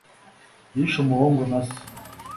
yishe umuhungu na se